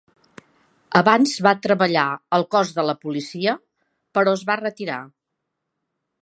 Abans va treballar al cos de la policia, però es va retirar.